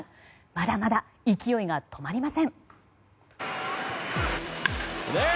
まだまだ勢いが止まりません。